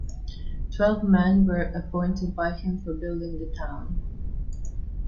Twelve men were appointed by him for building the town.